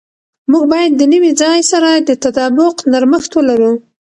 موږ باید د نوي ځای سره د تطابق نرمښت ولرو.